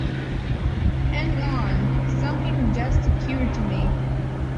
Hang on! Something just occurred to me.